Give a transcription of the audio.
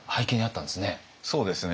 そうですね。